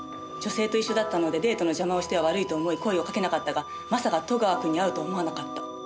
女性と一緒だったのでデートの邪魔をしては悪いと思い声をかけなかったがまさか戸川君に会うと思わなかった」